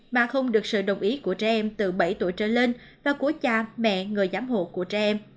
mà không được sự đồng ý của trẻ em từ bảy tuổi trở lên và của cha mẹ người giám hộ của trẻ em